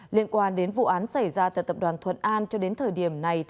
liên quan đến vụ án xảy ra tại tập đoàn thuận an cho đến thời điểm này